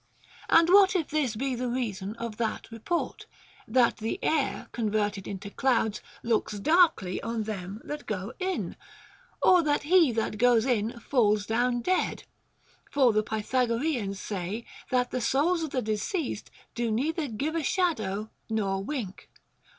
And what if this be the reason of that report, that the air converted into clouds looks darkly on them that go in ? Or that he that goes in falls down dead ]— for the Pythagoreans say that the souls of the deceased do neither give a shadow nor wink.